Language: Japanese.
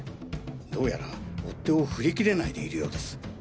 どうやら追っ手を振り切れないでいるようです。